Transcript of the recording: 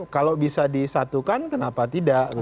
kalau bisa disatukan kenapa tidak